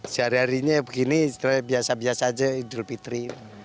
sehari harinya begini biasa biasa aja idul fitri